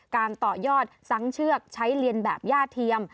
ต่อยอดซ้ำเชือกใช้เรียนแบบย่าเทียม